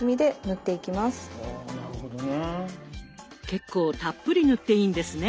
結構たっぷり塗っていいんですね。